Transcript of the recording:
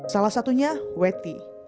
salah satunya weti